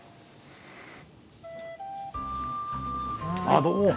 あっどうも。